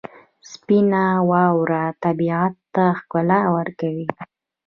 سپینه واوره طبیعت ته ښکلا ورکوي.